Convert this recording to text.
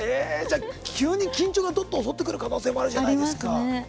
急に緊張が襲ってくる可能性もあるじゃないですか。